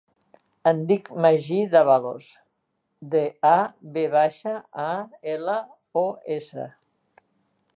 Em dic Magí Davalos: de, a, ve baixa, a, ela, o, essa.